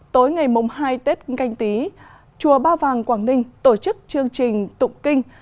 tối ngày hai tết canh tí chùa ba vàng quảng ninh tổ chức chương trình tụng kinh